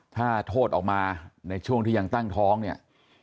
ถ้าโทษออกมาในช่วงที่ยังตั้งท้องเนี่ย